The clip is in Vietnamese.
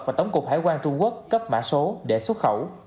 và tổng cục hải quan trung quốc cấp mã số để xuất khẩu